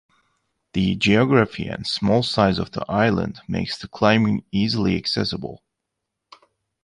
The geography and small size of the island makes the climbing easily accessible.